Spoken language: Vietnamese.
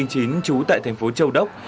trú tại thành phố châu đốc